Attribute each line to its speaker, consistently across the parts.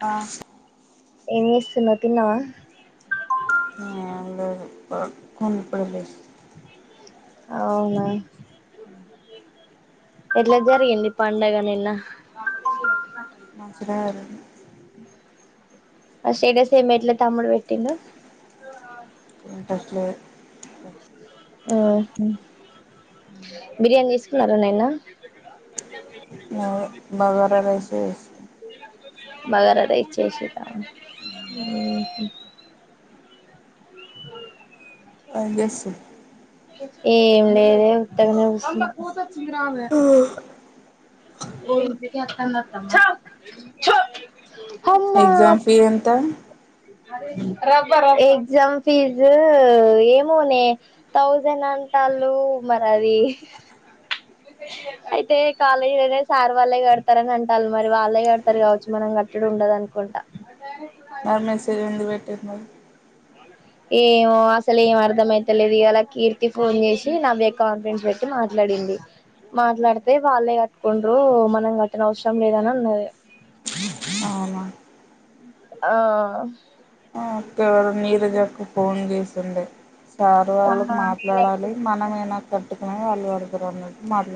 Speaker 1: ఆ
Speaker 2: ఎం చేస్తున్నావ్ తిన్నావా?
Speaker 1: ఆ లేదు పడుకుండిపోయా లెస్
Speaker 2: అవునా ఎట్లా జరిగింది పండగ నిన్న.
Speaker 1: మంచిగానే జరిగింది.
Speaker 2: ఆ స్టేటస్ ఏమ్ పెట్ల తమ్ముడు పెట్టిండు.
Speaker 1: ఇంట్రెస్ట్ లేదు
Speaker 2: హమ్ బిర్యానీ తీసుకున్నారా నిన్న [unintelligible]
Speaker 1: అవును బగార రైస్
Speaker 2: బగార రైస్ చేసిరా [unintelligible]
Speaker 1: ఏం చేస్తూ
Speaker 2: ఏం లేదే ఉత్తగనే కూర్చున్న [unintelligible] [unintelligible]
Speaker 1: ఎగ్జామ్ ఫీజ్ ఎంత?
Speaker 2: ఎగ్జామ్ ఫీజు ఏమో నే థౌజండ్ అంటాల్లు మరి, అది అయితే కాలేజీలోనే సార్ వాళ్ళే కడతారని అంటారు మరి వాళ్ళే కడతారు కావచ్చు. మనం కట్టడు ఉండదు అనుకుంటా.
Speaker 1: [unintelligible] ఇది ఎందుకు పెట్టిర్రు మరి
Speaker 2: ఏమో అసలు ఏం అర్ధం అయితలేదు. ఇయా లా కీర్తి ఫోన్ చేసి నవ్య కాన్ఫరెన్స్ పెట్టి మాట్లాడింది. మాట్లాడితే వాళ్ళే కట్టుకుండ్రు మనం కట్టిన అవసరం లేదని అన్నది
Speaker 1: అవునా
Speaker 2: ఆ
Speaker 1: అక్క ఎవరు నీరజక్క ఫోన్ చేసింది. సారు వాళ్ళకి మాట్లాడాలి, మనమేనా కట్టేది. హ అందువల్ల మాట్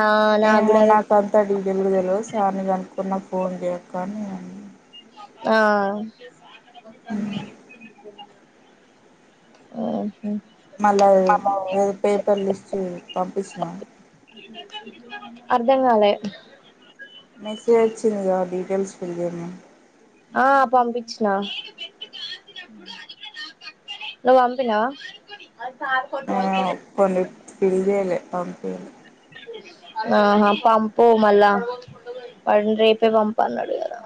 Speaker 2: ఆ నాకు
Speaker 1: ఏమో
Speaker 2: కూడా అదే
Speaker 1: నాక అంతా డీటెయిల్ గా తెల్వదు సార్ నీ కనుక్కొని. అన్న ఫోన్ చేయ కానీ
Speaker 2: ఆ వస్తాంది [unintelligible] [unintelligible] హమ్
Speaker 1: మళ్ళా ఏదో పేపర్ లిస్ట్ పంపించినాము.
Speaker 2: [unintelligible] అర్ధంగాలే
Speaker 1: మెసేజ్ వచ్చిందిగా, డీటెయిల్స్ ఫీల్ల్ చేయమని.
Speaker 2: ఆ పంపించిన, నేను పెట్టి గాంచినపుడు అది కూడా న పక్కనే నన్ను అనుకుని నువ్వు పంపినావా.
Speaker 1: ఆ కొన్ని ఫీల్ల్ చేయలే ఒ
Speaker 2: ఆహా పంపు మళ్ళా, వాటిని రేపే పంపు అన్నాడు కదా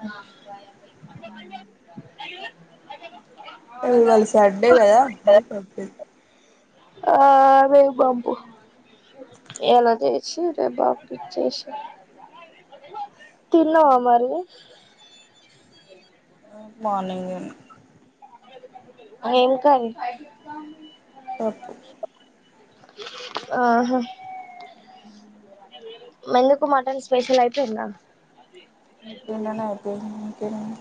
Speaker 1: ఇవాళ సండే కద అని పంపి
Speaker 2: ఆ రేపు పంపు ఇయాల చేసి రేపు పపిన్చేసేయి. తిన్నావా మరి,
Speaker 1: ఉ మార్నింగే
Speaker 2: ఏం కర్రీ
Speaker 1: పప్పు
Speaker 2: ఆహా ఏందుకు మటన్ స్పెషల్ అయిపోయిందా
Speaker 1: నిన్ననే అయిపోయింది ఇంకేముంది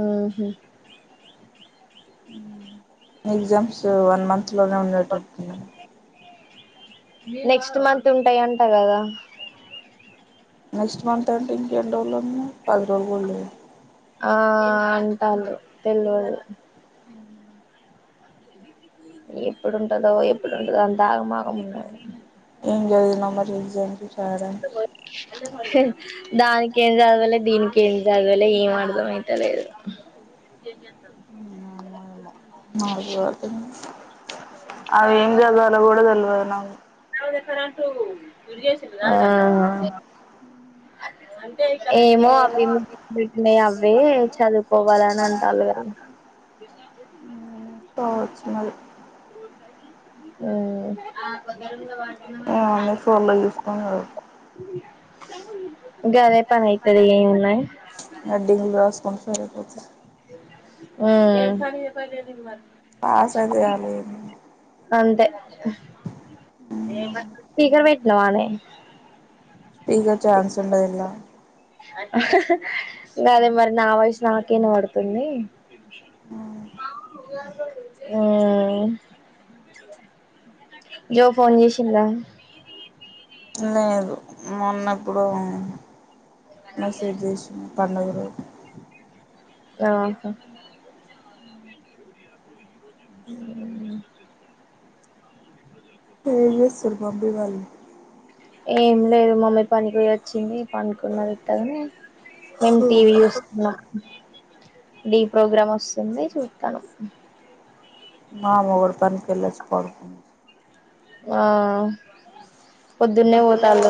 Speaker 2: ఉహు
Speaker 1: ఎగ్జామ్స్ వన్ మంత్ ఇంట్లోనే ఉన్నది ట్రిప్తి
Speaker 2: నెక్స్ట్ మంత్ ఉంటాయి అంట కదా
Speaker 1: నెక్స్ట్ మంత్ అంటే ఇంకెన్ని రోజులు ఉన్నాయి, పది రోజులు కూడ లేదు
Speaker 2: ఆ అంటల్లు తెల్వది ఎప్పుడు ఉంటదో ఎప్పుడు ఉండదో అంతా ఆగమాగం ఉన్నది
Speaker 1: ఏం చదివినవ్ మరి ఏం చదివి
Speaker 2: ఎండకు వచ్చే దానికి ఏం చదువలే దీనికి ఏం చదవలే ఏం అర్ధం అయిత లేదు
Speaker 1: నాగూడ అర్థమై అవి ఎంచదువాలో గూడ తెల్వ పద్నాలుగు
Speaker 2: [inaudible] ఆ ఆ ఏమో అవి పెట్టిన్నాయి అవే చదువుకోవాలని అంటాన్లు కదా
Speaker 1: కావచ్చు మరి
Speaker 2: ఉమ్ [inaudible]
Speaker 1: ఆ అన్ని ఫోన్లు చూసి అన్నడు
Speaker 2: చె
Speaker 1: గదే పనైతది ఇగ ఎమున్నాది. హెడ్డింగ్ రాస్కొని, సరేపోతు
Speaker 2: ఉమ్
Speaker 1: పాసైతే చాలే
Speaker 2: అంతే స్పీకర్ పెట్టినవానే
Speaker 1: ఇగ చాన్స్ ఉండది ఇళ్ళ
Speaker 2: గదే మరి నా వాయిస్ నాకే ఇనవడుతుంది
Speaker 1: ఉ
Speaker 2: ఉమ్ జో ఫోన్ చేసింద
Speaker 1: లేదు మొన్నప్పుడో మెసేజ్ జేసిన పండ గారో
Speaker 2: ఆ [unintelligible]
Speaker 1: ఏం చేస్తుల్ మమ్మీ వాళ్లు
Speaker 2: ఏం లేదు మమ్మీ పనికోయి అచ్చింది పండుకున్న ఉత్తగనే మేం టీవీ చూస్తున్నా డి ప్రోగ్రామ్ వస్తు చెన్నే చూతను
Speaker 1: మా అమ్మ కూడా పని కెళ్ళచి పడుకుంది
Speaker 2: ఆ పొద్దున్నే పోతళ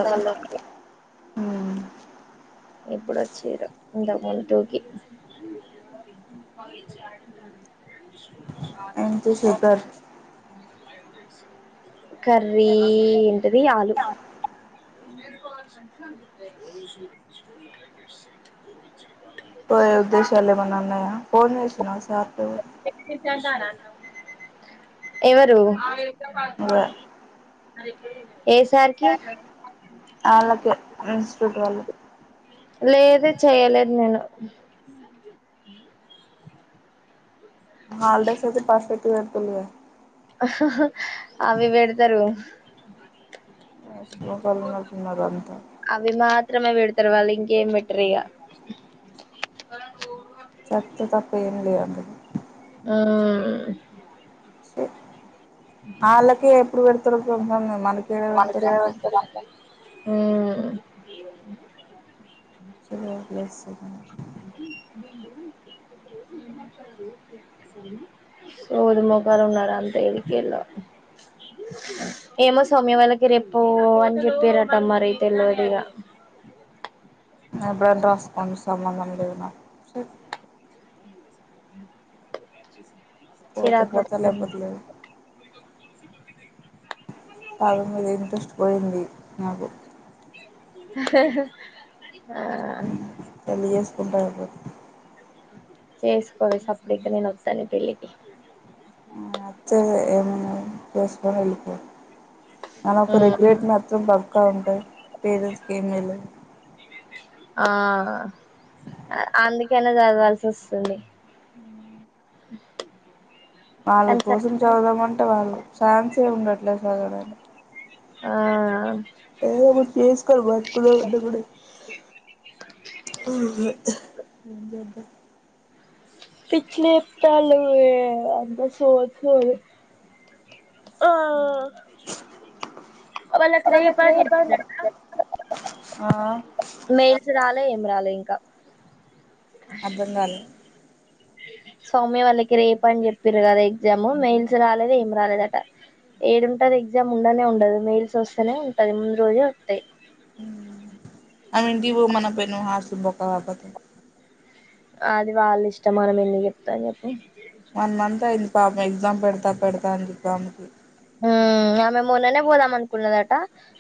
Speaker 2: ఇప్పుడు వచ్చారు ఇంత ము టూకి
Speaker 1: ఏం శేఖర్
Speaker 2: కర్రీ అది ఆలు
Speaker 1: పో ఉద్దేశాలే మనన్నాయా కో వేస్తు
Speaker 2: టక్సిట్లా జనా ఏవారు కా అలాకే
Speaker 1: అలా ఇన్స్టిట్యూట్ వాళ్ళు
Speaker 2: లేదు చేయలేదు నేను
Speaker 1: హాల ద సచ్చ పాసే తులి
Speaker 2: అవి పెడతారు
Speaker 1: లోకాలున్నతున్నారు అంతా
Speaker 2: తవాలంగే మెటరగా
Speaker 1: చె తప్ప ఫేమి లే అండ
Speaker 2: ఆ
Speaker 1: అలాకే ఎప్పుడు వెడతారు ఉాన్నా
Speaker 2: మనక వ ఉ
Speaker 1: [unintelligible]
Speaker 2: సోది ముోకాాల ఉన్నడా అంత వెకలా ఏమస్ సోమ్య వాళ్ళకి రేప్పు అని చెప్పారట మరి అయితే లేదుగా
Speaker 1: [unintelligible] సంబంధం లేదుిన
Speaker 2: స చిరా
Speaker 1: పోతే పోతే
Speaker 2: కొటీకానీ
Speaker 1: లేకపోతే లేదు పాాల మీద ఇంట్రెస్ట్ పోయింది నాకు
Speaker 2: ఆ
Speaker 1: పేలి చేేసుకుంటెఐపోత
Speaker 2: చేసుకోవే సప్పటిక నేను వస్త నీ పెళ్ళలిికి.
Speaker 1: నచ్చే ఏమన్నా చేసుకొని వెళ్ళిపో అలా
Speaker 2: మ్మ్
Speaker 1: కిగ్రేట్ నచ్చుదా బ కా ఉంటే పేరనట్స్ కి మేలు.
Speaker 2: ఆ అందుకనే చదవాల్సి వస్తుంది.
Speaker 1: వళ్ళ
Speaker 2: కానీ
Speaker 1: కోషన్ చదువుదామంటే వాళ్ళు ఛాన్స్ ఏ ఉండట్లేదు. మగడం
Speaker 2: ఆ
Speaker 1: ఏం చేసుకొని బతుకుదమంటే కుడ ఏం చేద్దాం.
Speaker 2: పిచ్చి లేపుతాళ్ళు ఇ అంత సోది సోది ఆ వాళ్ళకు రేప్ అని చెపుతాళ్ళ
Speaker 1: ఆ
Speaker 2: మెయిల్స్ రాలే ఏం రాలే ఇంకా.
Speaker 1: అర్థం కాలే
Speaker 2: సౌమ్య వాళ్ళకి రేపు అని చెప్పిర్రు కదా ఎగ్జామ్ మెయిల్స్ రాలేదు. ఏం రాలేదుట ఏడుంటది ఎగ్జామ్ ఉండనే ఉండదు. మెయిల్స్ వస్తేనే ఉంటది. ముందు రోజు
Speaker 1: ఆమె ఇంటి పోమ్మనపోయినవు ఆస్ మొకాబత్
Speaker 2: అది వాళ్ళ ఇష్టం మనం ఎందుకు చెప్తా చెప్పు.
Speaker 1: వన్ మంత్ అయింది. పాపం ఎగ్జామ్ పెడతా పెడతా అని చూపి ఆమెకి.
Speaker 2: ఆ ఆమె మొన్ననే పోదాం అనుకున్నదట,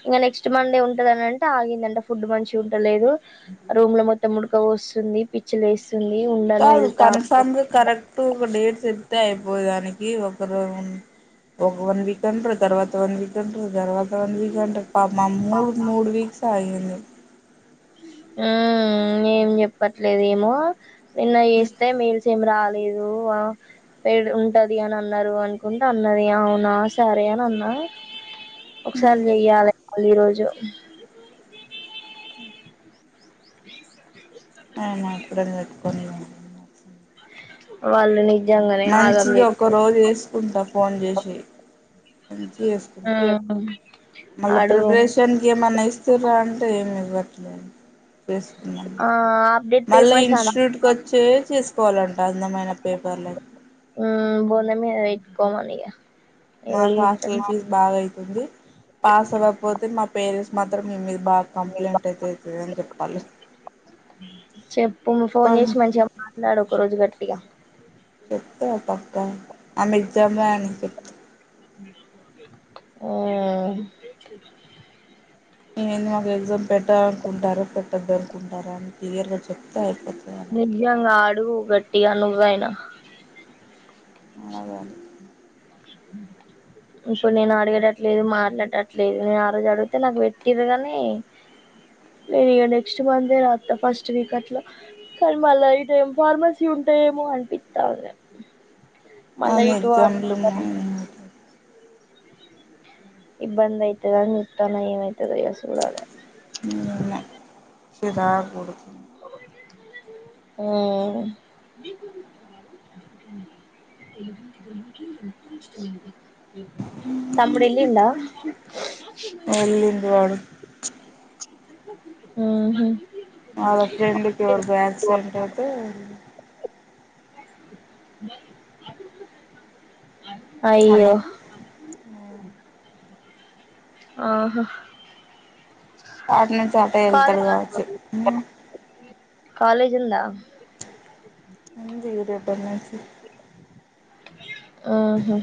Speaker 2: ఇగ నెక్స్ట్ మండే ఉంటదనింటే ఆగిందంట ఫుడ్ మంచిగా ఉంటలేదు రూమ్ లో మొత్తం ఉడక పోస్తుంది. పిచ్చిలేసి
Speaker 1: కాదు కన్ఫామ్గ కరెక్ట్ ఒక డేట్. చెప్తే అయిపోయేదానికి ఒకరు ఒక వన్ వీక్ అంటారు. తర్వాత వన్ వీక్ అంటారు. తర్వాత వన్ వీక్ అంటారు. పాపం మూడు మూడు వీక్స్. అయింది
Speaker 2: మ్మ్ ఏం చెప్పట్లేదు ఏమో పెడ్ ఉంటది అని అన్నారు అనుకుంటే అన్నది అవునా సరే అని అన్నా ఒకసారి చెయ్యాలి వాళ్ళు ఈ రోజు
Speaker 1: ఆమె ఎక్కడని పెట్టుకొని
Speaker 2: వాళ్ళు నిజంగానే ఆగం
Speaker 1: మంచిది
Speaker 2: చే
Speaker 1: ఒక రోజు వేసుకుంటా ఫోన్ చేసి మంచిగా వేసుకుంటా మళ్ళా
Speaker 2: అడుగు
Speaker 1: ప్రిపరేషన్కి ఏమన్నా ఇస్తుర్రా అంటే ఏమి ఇవ్వట్లేదు చేసుకున్నాను
Speaker 2: ఆ అప్డేట్
Speaker 1: మళ్ళీ
Speaker 2: పేపర్స్ అ
Speaker 1: ఇన్స్టిట్యూట్కి వచ్చే చేసుకోవాలంట అందమైన పేపర్లకి
Speaker 2: బోనం మీద పెట్టుకోమని ఇగ ఎవడు
Speaker 1: మాకు
Speaker 2: చెత్తడు
Speaker 1: హాస్టల్ ఫీజు బాగా అయితుంది పాస్ అవ్వకపోతే మా పేరెంట్స్ మాత్రం మీ మీద బాగా కంప్లైంట్ అయితే అవుతుంది అని చెప్పాలి
Speaker 2: చెప్పు ఫోన్
Speaker 1: చెప్పండి
Speaker 2: చేసి మంచిగా మాట్లాడు ఒక రోజు గట్టిగా
Speaker 1: చెప్తా పక్కా ఆమె ఎగ్జామ్ రాయని చెప్తా ఏంది మాకు ఎగ్జామ్ పెట్టాలనుకుంటారా పెట్టద్దు అనుకుంటారా అని క్లియర్గా చెప్తే అయిపోతుంది
Speaker 2: నిజంగా అడుగు గట్టిగా నువ్వైనా
Speaker 1: అలాగే
Speaker 2: ఇప్పుడు నేను అడిగేటట్లేదు మాట్లాడటట్లేదు నేను ఆ రోజు అడిగితే నాకు పెట్టిర్రు గానీ నేను ఇగ నెక్స్ట్ మంతే రాత్త ఫస్ట్ వీక్ అట్లా కానీ మళ్ళా ఇటు ఏం ఫార్మసీ ఉంటాయేమో అనిపిత్తాంది మళ్ళా
Speaker 1: అన్ని
Speaker 2: ఇటు వాడ
Speaker 1: ఎగ్జామ్లు ఉన్నాయి
Speaker 2: ఇబ్బంది అయితదని చూత్తన్న ఏమైతదో ఇగ సూడాలే
Speaker 1: నిన్న చిరాకు పుడుతుంది
Speaker 2: మ్మ్ తమ్ముడు ఎల్లిండా
Speaker 1: వెళ్ళిండు వాడు
Speaker 2: మ్మ్ హు
Speaker 1: వాళ్ళ ఫ్రెండ్కి ఎవరికో యాక్సిడెంట్ అయితే
Speaker 2: అయ్యో
Speaker 1: అలా
Speaker 2: ఆహా
Speaker 1: అటు నుంచి అటే వెళ్తాడు
Speaker 2: కాలేజ్
Speaker 1: కావచ్చు
Speaker 2: కాలేజ్ ఉందా
Speaker 1: ఉంది రేపటి నుంచి
Speaker 2: మ్మ్ హు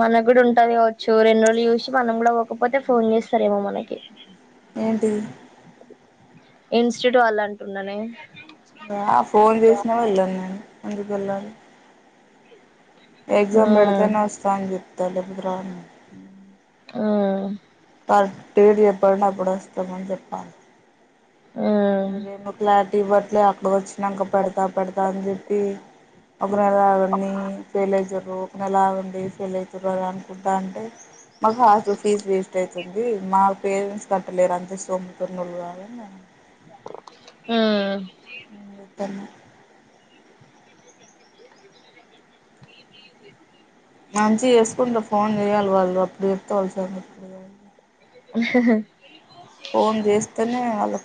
Speaker 2: మనకు కూడా ఉంటది కావచ్చు రెండు రోజులు చూసి మనం కూడా పోకపోతే ఫోన్ చేస్తారేమో మనకి
Speaker 1: ఏంటిది
Speaker 2: ఇన్స్టిట్యూట్ వాళ్ళు అంటున్నానే
Speaker 1: ఫోన్ చేసినా వెళ్ళను నేను ఎందుకు వెళ్ళాలి ఎగ్జామ్
Speaker 2: ఉమ్
Speaker 1: పెడితేనే వస్తా అని చెప్తా లేకపోతే రాను
Speaker 2: ఉమ్
Speaker 1: కరెక్ట్ డేట్ చెప్పండి అప్పుడు వస్తామని చెప్పాలి
Speaker 2: ఉమ్
Speaker 1: మీరేమో క్లారిటీ ఇవ్వట్లే అక్కడికి వచ్చినాక పెడతా పెడతా అని చెప్పి ఒక నెల ఆగండి ఫెయిల్ అవుతారు ఒక నెల ఆగండి ఫెయిల్ అవుతారు అని అనుకుంటా అంటే మాకు హాస్టల్ ఫీజు వేస్ట్ అవుతుంది మా పేరెంట్స్ కట్టలేరు అంత సోంబేరినోళ్ళు కాదని నేను
Speaker 2: ఉమ్
Speaker 1: చెప్తున్నా మంచిగా చేసుకుంటే ఫోన్ చేయాలి వాళ్ళు అప్పుడు చెప్తే వాళ్ళ సంగతి ఫోన్ చేస్తేనే వాళ్ళ